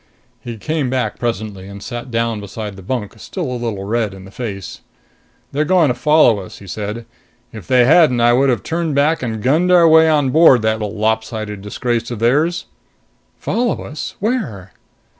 He came back presently and sat down beside the bunk, still a little red in the face. "They're going to follow us," he said. "If they hadn't, I would have turned back and gunned our way on board that lopsided disgrace of theirs." "Follow us? Where?"